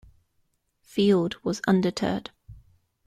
Field was undeterred.